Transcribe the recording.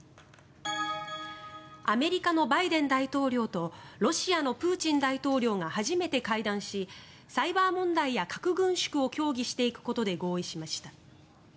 アメリカのバイデン大統領とロシアのプーチン大統領が初めて会談しサイバー問題や核軍縮について協議していくことで合意しました。